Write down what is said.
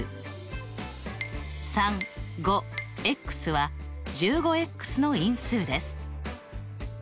３５は１５の因数です。